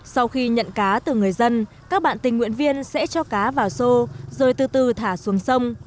sau khi nhận cá từ người dân các bạn tình nguyện viên sẽ cho cá vào xô rồi từ từ thả xuống sông